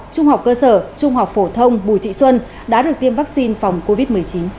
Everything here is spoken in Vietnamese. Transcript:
trung học cơ sở trung học phổ thông bùi thị xuân đã được tiêm vaccine phòng covid một mươi chín